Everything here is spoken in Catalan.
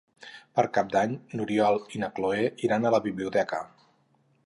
Per Cap d'Any n'Oriol i na Cloè iran a la biblioteca.